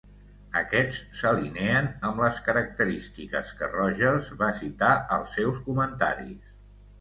Aquest s'alineen amb les característiques que Rogers va citar als seus comentaris.